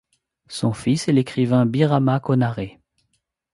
Son fils est l'écrivain Birama Konaré.